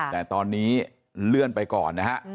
แต่ตอนนี้เลื่อนไปก่อนนะฮะ